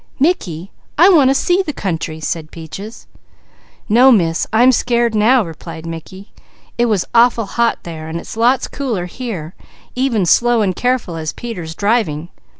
"Mickey, I want to see the country!" said Peaches. "No Miss! I'm scared now," replied Mickey. "It was awful hot there and it's lots cooler here, even slow and careful as Peter is driving.